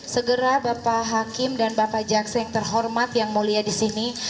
segera bapak hakim dan bapak jaksa yang terhormat yang mulia di sini